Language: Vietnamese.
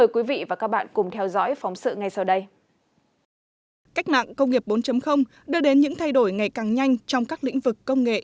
cách mạng công nghiệp bốn đưa đến những thay đổi ngày càng nhanh trong các lĩnh vực công nghệ